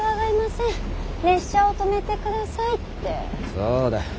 そうだ。